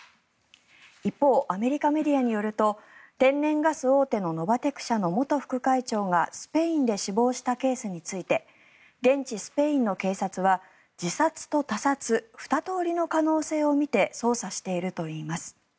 一方、アメリカメディアによると天然ガス大手のノバテク社の元副会長がスペインで死亡したケースについて現地スペインの警察は自殺と他殺２通りの可能性を見て捜査しているといいます。